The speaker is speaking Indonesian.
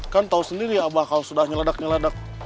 kan tahu sendiri abah kalau sudah nyeledak nyeledak